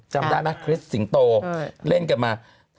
จำได้ไหมคริสสิงโตเล่นกันมา